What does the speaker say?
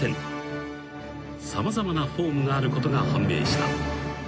［様々なフォームがあることが判明した］